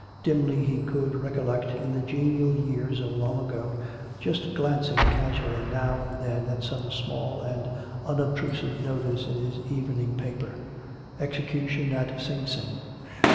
Dimly he could recollect, in the genial years of long ago, just glancing casually now and then at some small and unobtrusive notice in his evening paper: "Execution at Sing Sing."